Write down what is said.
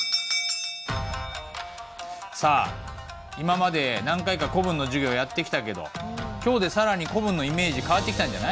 さあ今まで何回か古文の授業やってきたけど今日で更に古文のイメージ変わってきたんじゃない？